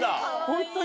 ホントに。